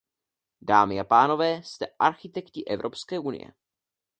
Dámy a pánové, jste architekti Evropské unie.